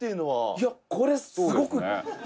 「いやこれすごくない？」